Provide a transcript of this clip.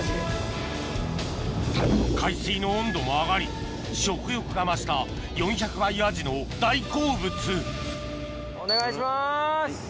海水の温度も上がり食欲が増した４００倍アジの大好物お願いします。